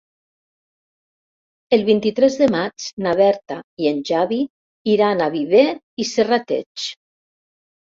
El vint-i-tres de maig na Berta i en Xavi iran a Viver i Serrateix.